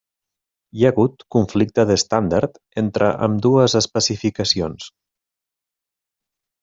Hi ha hagut conflicte d'estàndard entre ambdues especificacions.